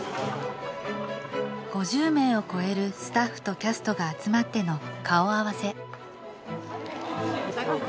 ５０名を超えるスタッフとキャストが集まっての顔合わせ台本を。